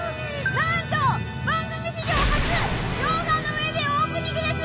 なんと番組史上初溶岩の上でオープニングですよ！